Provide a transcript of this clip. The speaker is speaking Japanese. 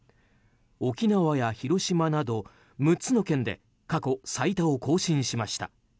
沖縄や広島など６つの県で過去最多を更新しました。